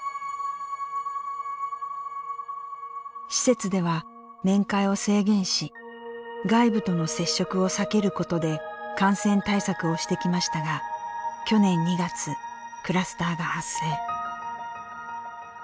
施設では面会を制限し外部との接触を避けることで感染対策をしてきましたが去年２月クラスターが発生。